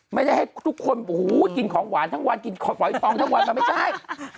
ไม่ได้ให้ทุกคนอู๋กินของหวานทั้งวันกินของหวายปองทั้งวันมันไม่ได้